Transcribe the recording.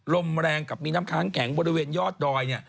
ลมแรงกับมีน้ำค้างแข็งบริเวณยอดดอย